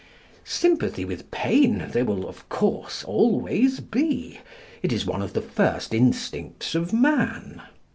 Sympathy with pain there will, of course, always be. It is one of the first instincts of man.